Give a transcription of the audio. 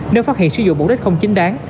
nếu phát hiện sử dụng bổ đất không chính đáng